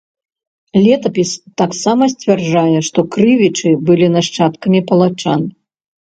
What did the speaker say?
Летапіс таксама сцвярджае, што крывічы былі нашчадкамі палачан.